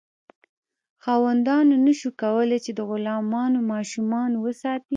خاوندانو نشو کولی چې د غلامانو ماشومان وساتي.